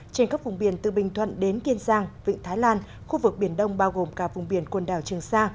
trên các vùng biển từ bình thuận đến kiên giang vịnh thái lan khu vực biển đông bao gồm cả vùng biển quần đảo trường sa